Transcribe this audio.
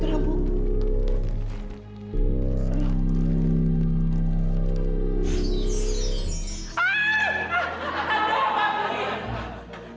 tante apaan ini